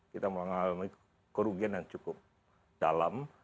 kita mengalami kerugian yang cukup dalam